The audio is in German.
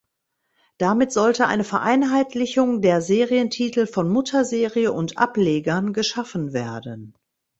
Damit sollte eine Vereinheitlichung der Serientitel von Mutterserie und Ablegern geschaffen werden.